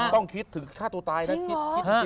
ต้องคิดถึงฆ่าตัวตายนะคิดสิ